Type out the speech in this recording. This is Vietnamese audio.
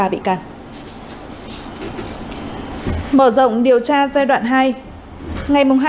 mở rộng điều tra giai đoạn hai